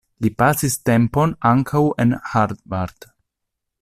Li pasis tempon ankaŭ en Harvard.